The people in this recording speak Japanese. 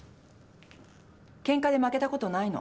ケンカで負けたことないの。